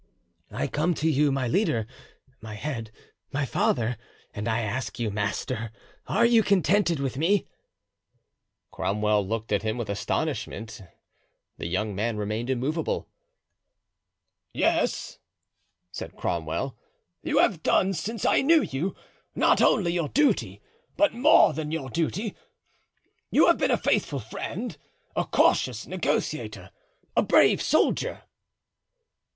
"I come to you, my leader, my head, my father, and I ask you, master, are you contented with me?" Cromwell looked at him with astonishment. The young man remained immovable. "Yes," said Cromwell; "you have done, since I knew you, not only your duty, but more than your duty; you have been a faithful friend, a cautious negotiator, a brave soldier."